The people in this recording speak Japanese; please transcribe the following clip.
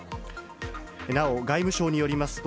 なお、外務省によりますと、